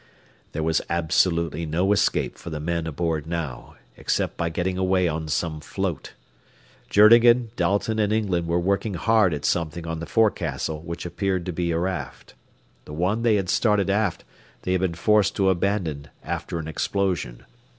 There was absolutely no escape for the men aboard now, except by getting away on some float. Journegan, Dalton, and England were working hard at something on the forecastle which appeared to be a raft. The one they had started aft they had been forced to abandon after an explosion.